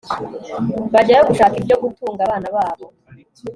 bajyayo gushaka ibyo gutunga abana babo